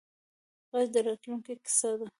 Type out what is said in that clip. غږ د راتلونکې کیسه ده